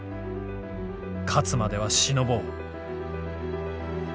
勝つ迄は忍ぼう」。